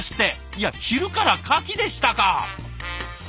いや昼からカキでしたか！